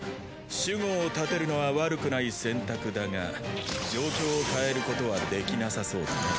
守護を立てるのは悪くない選択だが状況を変えることはできなさそうだね。